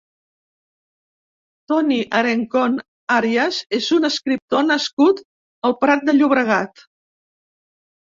Toni Arencón Arias és un escriptor nascut al Prat de Llobregat.